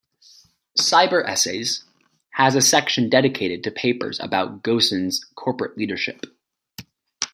"CyberEssays" has a section dedicated to papers about Ghosn's corporate leadership.